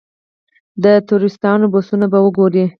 د ټوریسټانو بسونه به وګورئ.